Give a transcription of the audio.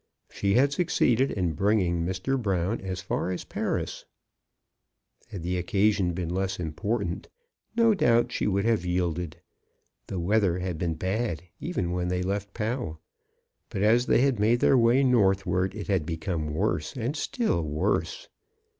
She had succeeded in bringing Mr. Brown as far as Paris. Had the occasion been less important, no 6 CHRISTMAS AT THOMPSON HALL. doubt she would have yielded. The weather had been bad even when they left Pau, but as they had made their way northward it had become worse and still, worse.